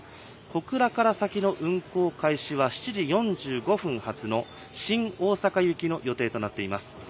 小倉から先の運行開始は、７時４５分発の新大阪行きの予定となっています。